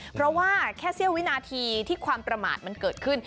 เพราะว่าแค่เสี้ยววินาทีที่ความประมาทมันเกิดขึ้น